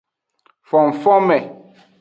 Fonfonme.